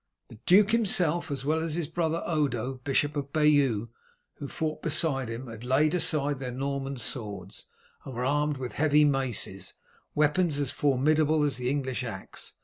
The duke himself, as well as his brother Odo, Bishop of Bayeau, who fought beside him, had laid aside their Norman swords, and were armed with heavy maces, weapons as formidable as the English axe.